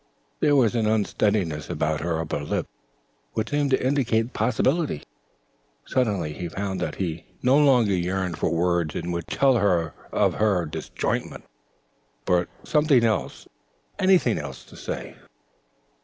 There was an unsteadiness about her upper lip which seemed to indicate the possibility. Suddenly he found that he no longer yearned for words in which to tell her of her disjointment, but for something else anything else to say.